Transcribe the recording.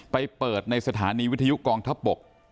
ไปเปิดในสถานีวิทยุกองทัพบก